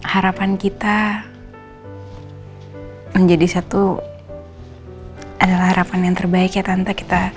harapan kita menjadi satu adalah harapan yang terbaik ya tante kita